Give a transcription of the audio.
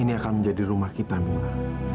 ini akan menjadi rumah kita mila